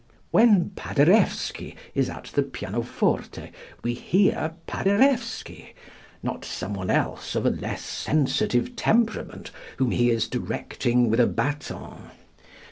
When Paderewski is at the pianoforte we hear Paderewski not some one else of a less sensitive temperament whom he is directing with a baton.